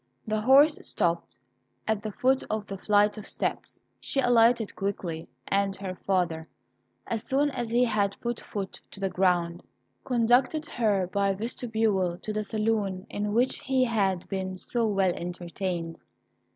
The horse stopped at the foot of the flight of steps. She alighted quickly, and her father, as soon as he had put foot to the ground, conducted her by a vestibule to the saloon in which he had been so well entertained.